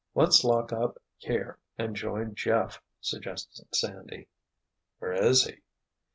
"Let's lock up, here, and join Jeff," suggested Sandy. "Where is he?"